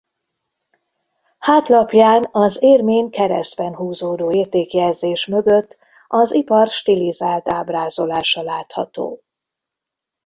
Hátlapján az érmén keresztben húzódó értékjelzés mögött az ipar stilizált ábrázolása látható.